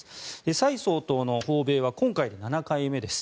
蔡総統の訪米は今回で７回目です。